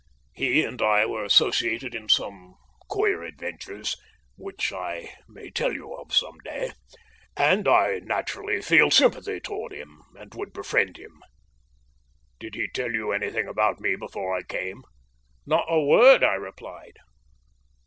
He and I were associated in some queer adventures, which I may tell you of some day, and I naturally feel sympathy towards him, and would befriend him. Did he tell you anything about me before I came?" "Not a word," I replied.